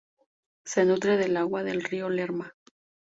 Se nutre del agua del río Lerma.